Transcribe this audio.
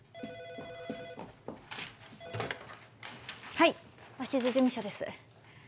はい鷲津事務所です。